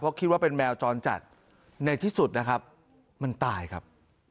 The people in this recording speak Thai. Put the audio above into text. เพราะคิดว่าเป็นแมวจรจัดในที่สุดนะครับมันตายครับ